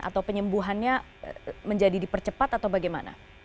atau penyembuhannya menjadi dipercepat atau bagaimana